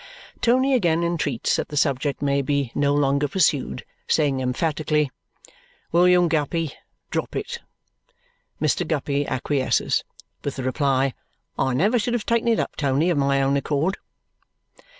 Tony again entreats that the subject may be no longer pursued, saying emphatically, "William Guppy, drop it!" Mr. Guppy acquiesces, with the reply, "I never should have taken it up, Tony, of my own accord."